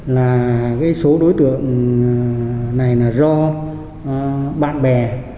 là số đối tượng này là do bạn bè